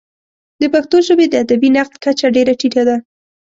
د پښتو ژبې د ادبي نقد کچه ډېره ټیټه ده.